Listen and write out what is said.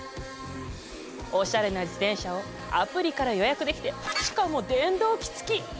おしゃれな自転車をアプリから予約できてしかも電動機付き！